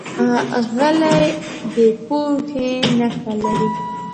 غلی، د پوهې نښه لري.